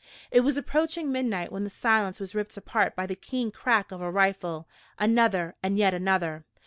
It was approaching midnight when the silence was ripped apart by the keen crack of a rifle another and yet another.